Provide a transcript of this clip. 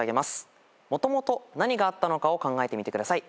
もともと何があったのかを考えてみてください。